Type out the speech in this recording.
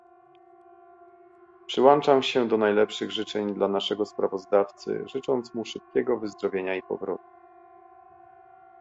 Przyłączam się do najlepszych życzeń dla naszego sprawozdawcy, życząc mu szybkiego wyzdrowienia i powrotu